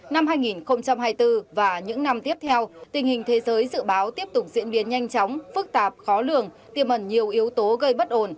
năm hai nghìn hai mươi bốn và những năm tiếp theo tình hình thế giới dự báo tiếp tục diễn biến nhanh chóng phức tạp khó lường tiêm ẩn nhiều yếu tố gây bất ổn